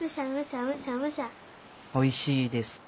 おいしいですか？